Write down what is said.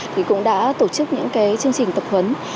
thì cũng đã tổ chức những cái chương trình tập huấn